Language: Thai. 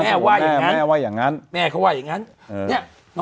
แม่ว่ายังงั้นแม่ว่ายังงั้นแม่เค้าว่ายังงั้น